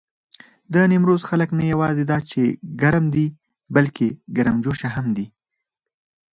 د نيمروز خلک نه یواځې دا چې ګرم دي، بلکې ګرمجوش هم دي.